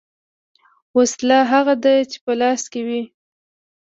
ـ وسله هغه ده چې په لاس کې وي .